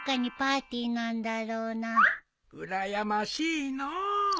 うらやましいのう。